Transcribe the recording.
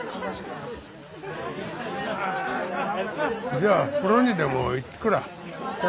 じゃあ風呂にでも行ってくらあ。